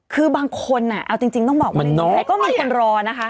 คือบางคนน่ะเอาจริงต้องบอกว่ามีคนรอน่ะค่ะ